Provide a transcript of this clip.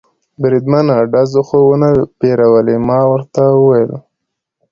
بریدمنه، ډزو خو و نه بیرولې؟ ما ورته وویل.